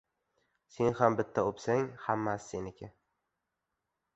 — Sen ham bitta o‘psang, hammasi seniki!